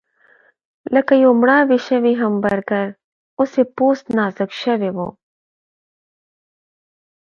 لکه یو مړاوی شوی همبرګر، اوس یې پوست نازک شوی و.